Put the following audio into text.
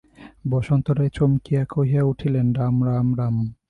বসন্ত রায় চমকিয়া কহিয়া উঠিলেন, রাম রাম রাম।